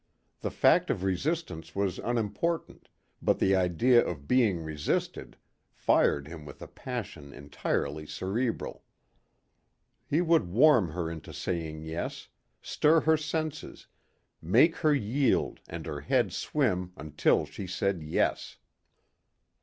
The fact of resistance was unimportant but the idea of being resisted fired him with a passion entirely cerebral. He would warm her into saying yes, stir her senses, make her yield and her head swim until she said yes.